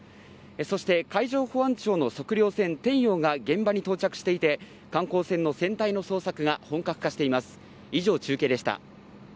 そして海上保安庁の測量船「天洋」が現場に到着する見込みで観光船の船体の捜索が本格化しています。